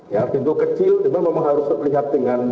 ya pintu kecil cuma memang harus terlihat dengan